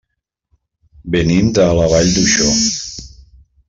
Venim de la Vall d'Uixó.